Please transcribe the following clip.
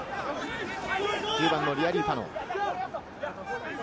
１０番のリアリーファノ。